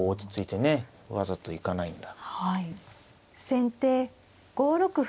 先手５六歩。